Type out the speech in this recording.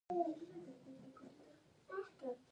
د نصاب بدلونونه ستونزې جوړوي.